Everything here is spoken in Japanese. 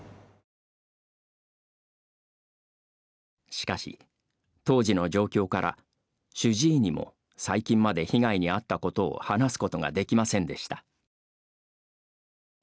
しかし、当時の状況から主治医にも最近まで被害に遭ったことを話すことができませんでした。